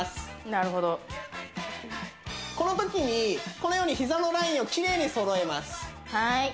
なるほどこのときにこのように膝のラインをきれいにそろえます